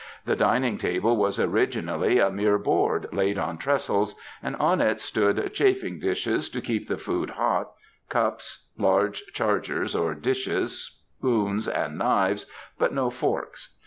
The dining table was originally a mere board laid on trestles, and on it stood chafing dishes to keep the food hot, cups, large ^^ chargers^ or dishes, spoons and knives, but no forks.